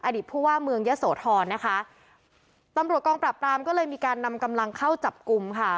ผู้ว่าเมืองยะโสธรนะคะตำรวจกองปราบปรามก็เลยมีการนำกำลังเข้าจับกลุ่มค่ะ